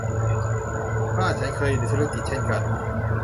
ป้าฉันเคยอยู่ในธุรกิจเช่นกัน